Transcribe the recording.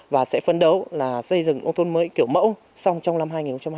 và sẽ phấn đấu là xây dựng nông thôn mới kiểu mẫu xong trong năm hai nghìn hai mươi